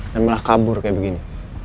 dan malah kabur kayak begini